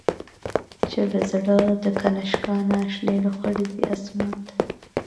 چی له زړه د«کنشکا» نه، شنی لوخړی ځی آسمان ته